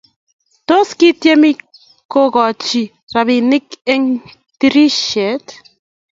Tos, kityem kogochi robinik eng tirishet?